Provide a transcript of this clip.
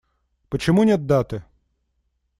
Почему нет даты?